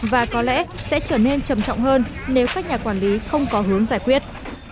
và có lẽ sẽ trở nên trầm trọng hơn nếu các nhà quản lý không có hướng giải quyết